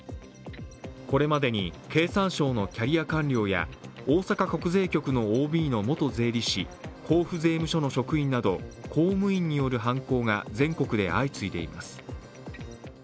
これまでに経産省のキャリア官僚や大阪国税局のＯＢの元税理士甲府税務署の職員など公務員による犯行が全国で相次いでいます。